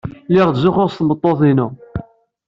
Lliɣ ttzuxxuɣ s tmeṭṭut-inu.